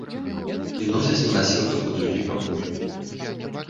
І носяць на насілках у другі пакой.